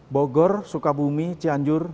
bogor sukabumi cianjur